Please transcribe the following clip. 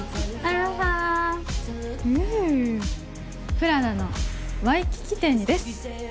プラダのワイキキ店です。